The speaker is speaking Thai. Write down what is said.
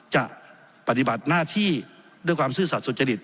จะปฏิบัติหน้าที่ด้วยความซื่อสัตว์สุจริต